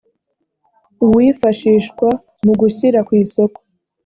uwifashishwa mu gushyira ku isoko